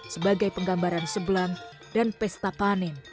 sebagai penggambaran sebelang dan pesta panen